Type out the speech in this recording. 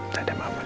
dadah mama dulu